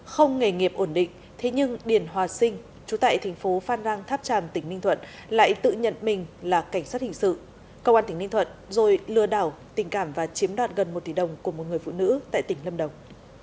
không nghề nghiệp ổn định thế nhưng điền hòa sinh chú tại thành phố phan rang tháp tràm tỉnh ninh thuận lại tự nhận mình là cảnh sát hình sự công an tỉnh ninh thuận rồi lừa đảo tình cảm và chiếm đoạt gần một tỷ đồng của một người phụ nữ tại tỉnh lâm đồng